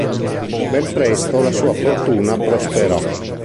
Ben presto la sua fortuna prosperò.